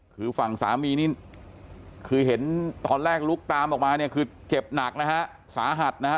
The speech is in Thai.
คือฝั่งสามีนี่คือเห็นตอนแรกลุกตามออกมาเนี่ยคือเจ็บหนักนะฮะสาหัสนะฮะ